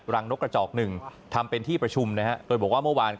นกกระจอกหนึ่งทำเป็นที่ประชุมนะฮะโดยบอกว่าเมื่อวาน